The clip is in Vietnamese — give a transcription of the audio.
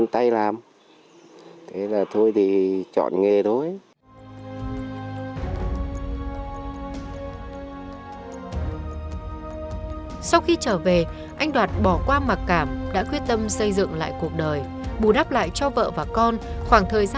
thời điểm hiện tại là ổn định cuộc sống